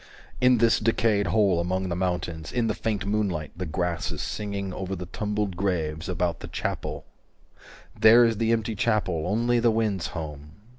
In this decayed hole among the mountains 385 In the faint moonlight, the grass is singing Over the tumbled graves, about the chapel There is the empty chapel, only the wind's home.